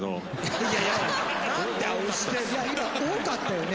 いや今多かったよね。